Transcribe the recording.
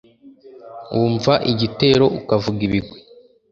Wumva igitero ukavuga ibigwi